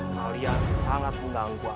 kalian sangat mengganggu aku